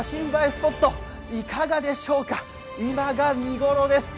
スポット、いかがでしょうか、今が見頃です。